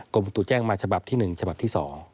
ประตูแจ้งมาฉบับที่๑ฉบับที่๒